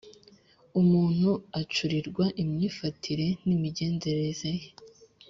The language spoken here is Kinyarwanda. umuntu acyurirwa imyifatire n'imigenzereze ye;